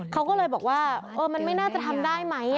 เขาก็เลยบอกว่ามันไม่น่าจะทำได้ไหม